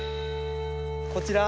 こちら。